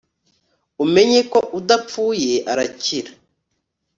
umenye ko udapfuye arakira